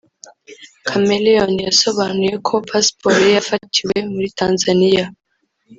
Chameleone yasobanuye ko Passport ye yafatiwe muri Tanzaniya